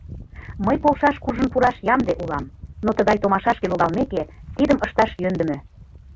Мый полшаш куржын пураш ямде улам, но тыгай томашашке логалмеке, тидым ышташ йӧндымӧ.